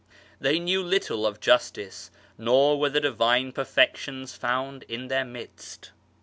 They knew little of Justice, nor were the Divine perfections found in their midst.